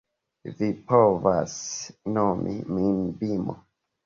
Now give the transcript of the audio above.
Vi povas nomi min Bimo